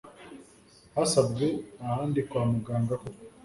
Hasabwe ahandi kwa muganga koko